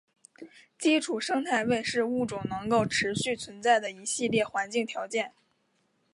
基础生态位是物种能够持续存在的一系列环境条件。